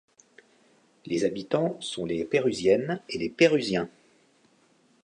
Les habitants sont les Pérusiennes et les Pérusiens.